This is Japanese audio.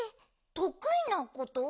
とくいなこと？